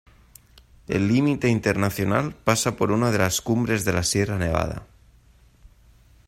El límite internacional pasa por una de las cumbres de la Sierra Nevada.